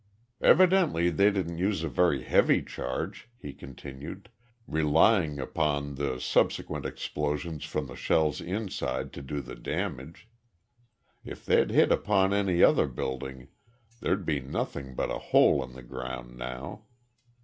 "Evidently they didn't use a very heavy charge," he continued, "relying upon the subsequent explosions from the shells inside to do the damage. If they'd hit upon any other building there'd be nothing but a hole in the ground now.